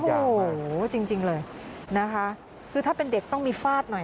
โอ้โหจริงเลยนะคะคือถ้าเป็นเด็กต้องมีฟาดหน่อย